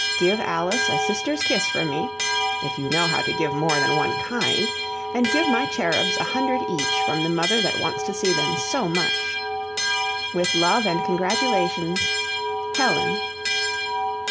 Give Alice a sister's kiss from me (if you know how to give more than one kind), and give my cherubs a hundred each from the mother that wants to see them so much. "With love and congratulations, "HELEN."